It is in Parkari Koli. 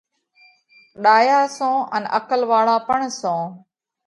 ڏايا سو ان عقل واۯا پڻ سو۔